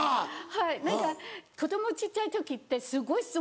はい何かとても小っちゃい時ってすごい質問。